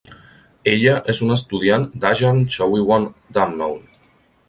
Ella és una estudiant d'Ajarn Chawiwan Damnoen.